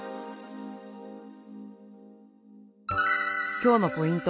今日のポイント